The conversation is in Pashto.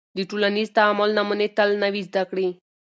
د ټولنیز تعامل نمونې تل نوې زده کړې